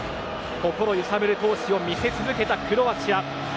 心揺さぶる闘志を見せ続けたクロアチア。